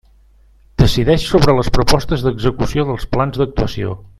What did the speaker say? Decideix sobre les propostes d'execució dels plans d'actuació.